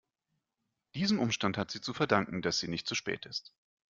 Diesem Umstand hat sie zu verdanken, dass sie nicht zu spät ist.